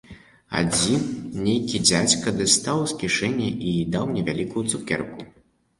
Адзін нейкі дзядзька дастаў з кішэні і даў мне вялікую цукерку.